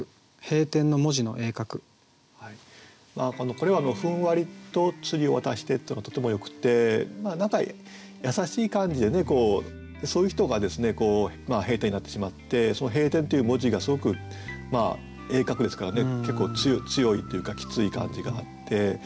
これは「ふんわりと釣りを渡して」ってのがとてもよくて何か優しい感じでねでそういう人がですね閉店になってしまってその「閉店」っていう文字がすごく鋭角ですからね結構強いというかきつい感じがあって。